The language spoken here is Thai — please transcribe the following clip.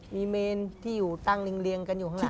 มีเมนที่อยู่ตั้งเรียงกันอยู่ข้างหลัง